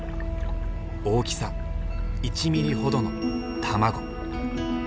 大きさ１ミリほどの卵。